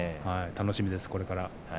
楽しみです、これから。